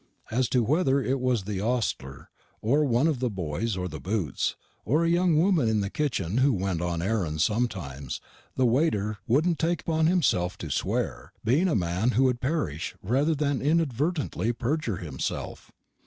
As to whether it was the ostler, or one of the boys, or the Boots, or a young woman in the kitchen who went on errands sometimes, the waiter wouldn't take upon himself to swear, being a man who would perish rather than inadvertently perjure himself.